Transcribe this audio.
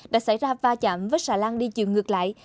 đã xảy ra va chạm với xà lan đi chiều ngược lại